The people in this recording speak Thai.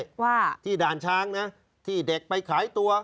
ว่าที่ด่านช้างนะที่เด็กไปขายตัว